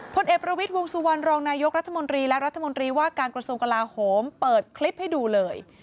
พเบรวิทย์วงสุวรรณรองนายุกรัฐมนตรีว่าการกระทรวงกลาโฮมเปิดคลิปให้ดูเลย